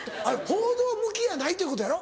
報道向きやないっていうことやろ？